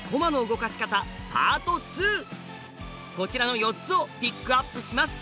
こちらの４つをピックアップします！